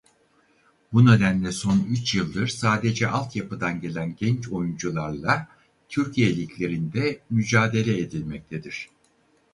Bu nedenle son üç yıldır sadece altyapıdan gelen genç oyuncularla Türkiye liglerinde mücadele edilmektedir.